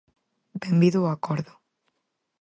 Benvido o acordo.